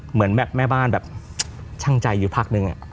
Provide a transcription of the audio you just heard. เหมือนแบบแม่บ้านแบบช่างใจอยู่พักนึง